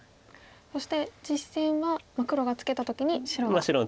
そして実戦は黒がツケた時に白が。